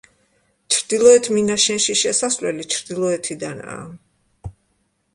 ჩრდილოეთ მინაშენში შესასვლელი ჩრდილოეთიდანაა.